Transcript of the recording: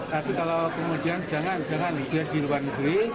tapi kalau kemudian jangan jangan dia di luar negeri